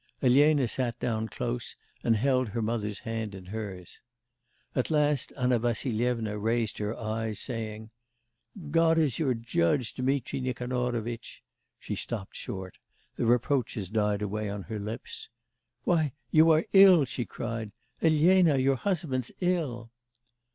Elena sat down close, and held her mother's hand in hers. At last Anna Vassilyevna raised her eyes, saying: 'God is your judge, Dmitri Nikanorovitch' she stopped short: the reproaches died away on her lips. 'Why, you are ill,' she cried: 'Elena, your husband's ill!